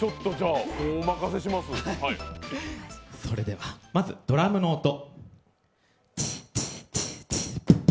それでは、まずドラムの音。